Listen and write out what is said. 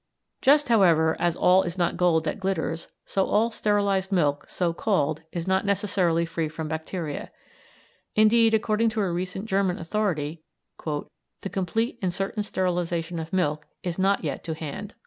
Just, however, as all is not gold that glitters, so all sterilised milk so called is not necessarily free from bacteria. Indeed, according to a recent German authority, "the complete and certain sterilisation of milk is not yet to hand."